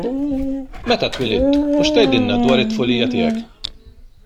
Meta twelidt u xi tgħidilna dwar it-tfulija tiegħek?